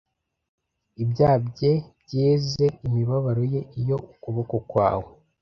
Ibyaha bye byeze, imibabaro ye iyo ukuboko kwawe